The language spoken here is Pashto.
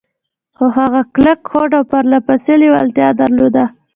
خو هغه کلک هوډ او پرله پسې لېوالتيا درلوده.